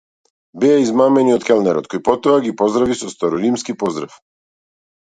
Беа измамени од келнерот, кој потоа ги поздрави со староримски поздрав.